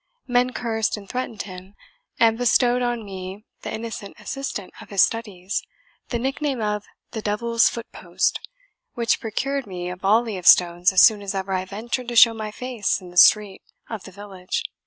Men cursed and threatened him, and bestowed on me, the innocent assistant of his studies, the nickname of the Devil's foot post, which procured me a volley of stones as soon as ever I ventured to show my face in the street of the village.